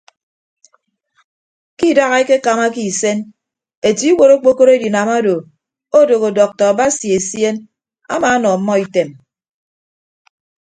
Ke idaha ekekamake isen etie iwuot okpokoro edinam odo odooho dọkta basi esien amaanọ ọmmọ item.